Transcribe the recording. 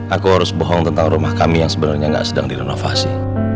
aku harus bohong tentang rumah kami yang sebenarnya tidak sedang direnovasi